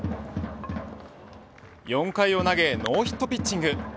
４回を投げノーヒットピッチング。